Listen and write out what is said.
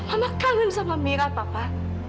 anak kangen sama mira papa